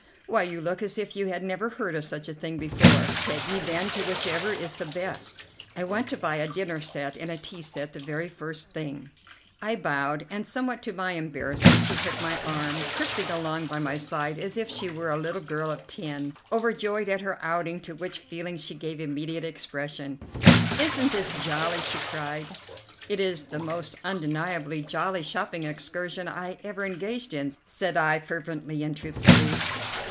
"Why, you look as if you had never heard of such a thing before. Take me, then, to whichever is the best. I want to buy a dinner set and a tea set the very first thing." I bowed, and, somewhat to my embarrassment, she took my arm, tripping along by my side as if she were a little girl of ten, overjoyed at her outing, to which feeling she gave immediate expression. "Isn't this jolly?" she cried. "It is the most undeniably jolly shopping excursion I ever engaged in," said I, fervently and truthfully.